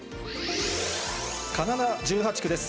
神奈川１８区です。